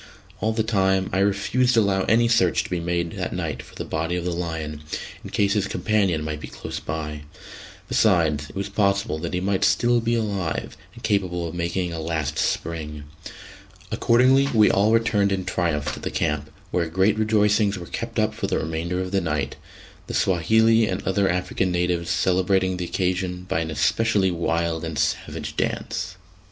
All the same, I refused to allow any search to be made that night for the body of the lion, in case his companion might be close by; besides, it was possible that he might be still alive, and capable of making a last spring. Accordingly we all returned in triumph to the camp, where great rejoicings were kept up for the remainder of the night, the Swahili and other African natives celebrating the occasion by an especially wild and savage dance.